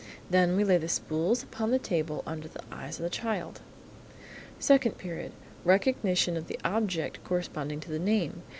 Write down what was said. Then, we lay the spools upon the table under the eyes of the child. Second Period. Recognition of the object corresponding to the name.